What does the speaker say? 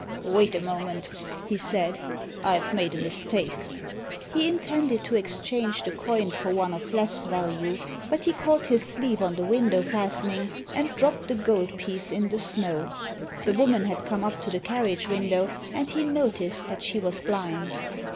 "Wait a moment," he said. "I've made a mistake." He intended to exchange the coin for one of less value, but he caught his sleeve on the window fastening, and dropped the gold piece in the snow. The woman had come up to the carriage window, and he noticed that she was blind.